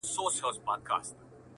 په دوږخ کي هم له تاسي نه خلاصېږو!٫.